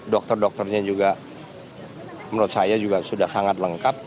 dokter dokternya juga menurut saya juga sudah sangat lengkap